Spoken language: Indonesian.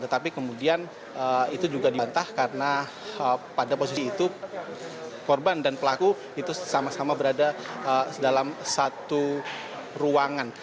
tetapi kemudian itu juga dibantah karena pada posisi itu korban dan pelaku itu sama sama berada dalam satu ruangan